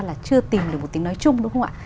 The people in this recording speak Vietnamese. là chưa tìm được một tiếng nói chung đúng không ạ